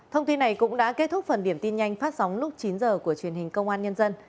thông tin này cũng đã kết thúc phần điểm tin nhanh phát sóng lúc chín h của truyền hình công an nhân dân